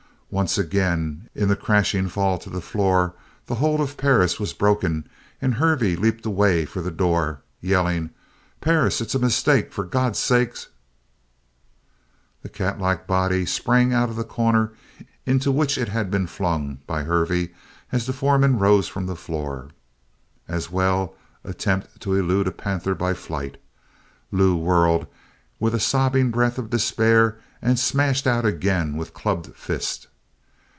Once again, in the crashing fall to the floor, the hold of Perris was broken and Hervey leaped away for the door yelling: "Perris it's a mistake for God's sake " The catlike body sprang out of the corner into which it had been flung by Hervey as the foreman rose from the floor. As well attempt to elude a panther by flight! Lew whirled with a sobbing breath of despair and smashed out again with clubbed fist.